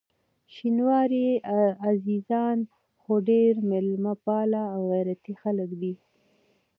شینواري عزیزان خو ډېر میلمه پال او غیرتي خلک دي.